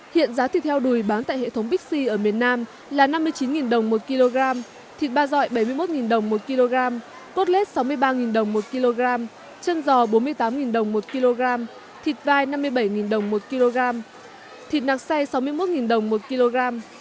hiện giá thịt heo đùi bán tại hệ thống bixi ở miền nam là năm mươi chín đồng một kg thịt ba dọi bảy mươi một đồng một kg cốt lết sáu mươi ba đồng một kg chân giò bốn mươi tám đồng một kg thịt vai năm mươi bảy đồng một kg thịt nạc say sáu mươi một đồng một kg